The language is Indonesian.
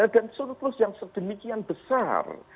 dan surplus yang sedemikian besar